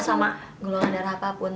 sama golongan darah apapun